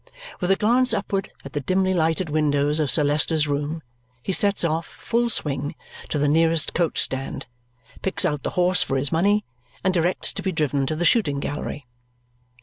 With a glance upward at the dimly lighted windows of Sir Leicester's room, he sets off, full swing, to the nearest coach stand, picks out the horse for his money, and directs to be driven to the shooting gallery.